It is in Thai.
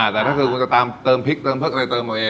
แต่ถ้าคุณจะเติมพริกเติมอะไรเติมเอาเอง